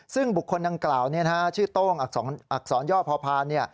ซึ่งบุคคลดังกล่าวชื่อโต้งอักษรย่อพอพา